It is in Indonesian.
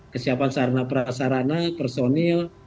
kesiapan sarana prasarana personil